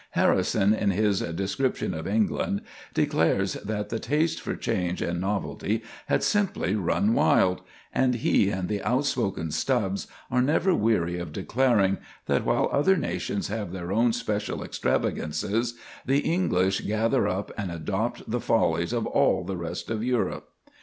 Harrison, in his "Description of England," declares that the taste for change and novelty had simply run wild; and he and the outspoken Stubbs are never weary of declaring that while other nations have their own special extravagances, the English gather up and adopt the follies of all the rest of Europe.